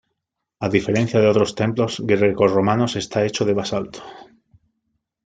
A diferencia de otros templos grecorromanos está hecho de basalto.